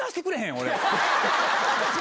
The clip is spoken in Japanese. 俺。